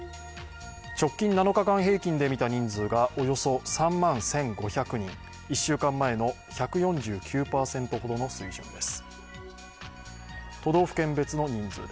直近７日間平均で見た人数がおよそ３万１５００人、１週間前の１４９％ほどの水準です。